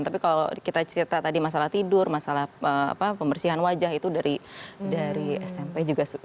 tapi kalau kita cerita tadi masalah tidur masalah pembersihan wajah itu dari smp juga sudah